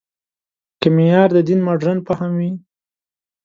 که معیار د دین مډرن فهم وي.